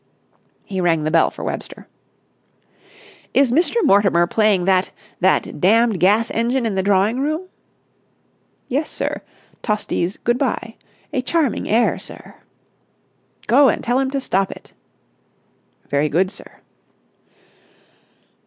He rang the bell for Webster. "Is Mr. Mortimer playing that—that damned gas engine in the drawing room?" "Yes, sir. Tosti's 'Good bye.' A charming air, sir." "Go and tell him to stop it!" "Very good, sir."